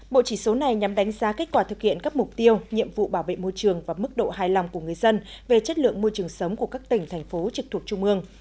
bộ chỉ số này nhằm đánh giá kết quả thực hiện các mục tiêu nhiệm vụ bảo vệ môi trường và mức độ hài lòng của người dân về chất lượng môi trường sống của các tỉnh thành phố trực thuộc trung ương